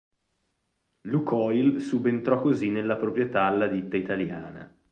Lukoil subentrò così nella proprietà alla ditta italiana.